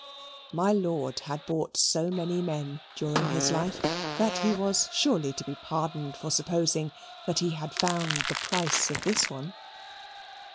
My lord had bought so many men during his life that he was surely to be pardoned for supposing that he had found the price of this one.